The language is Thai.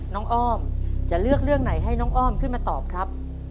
อ้อมจะเลือกเรื่องไหนให้น้องอ้อมขึ้นมาตอบครับ